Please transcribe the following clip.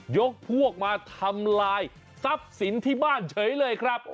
ยกพวกมาทำลายทรัพย์สินที่บ้านเฉยเลยครับ